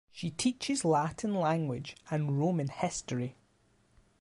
She teaches Latin language and Roman history.